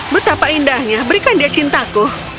betapa indahnya berikan dia cintaku